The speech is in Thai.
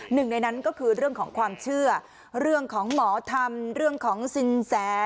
หนึ่งในนั้นก็คือเรื่องของความเชื่อเรื่องของหมอธรรมเรื่องของสินแส